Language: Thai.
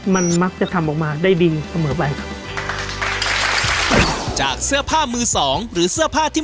มันมักจะทำออกมาได้ดีเสมอไป